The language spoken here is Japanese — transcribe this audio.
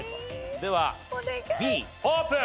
ではＢオープン！